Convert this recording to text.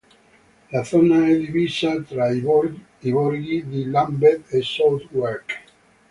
La zona è divisa tra i borghi di Lambeth e Southwark.